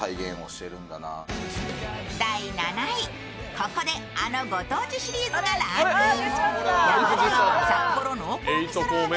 ここであのご当地シリーズがランクイン。